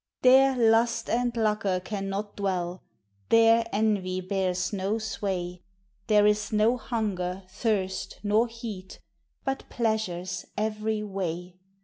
There lust and lucre cannot dwell, There envy bears no sway; There is no hunger, thirst, nor heat. But pleasures every way.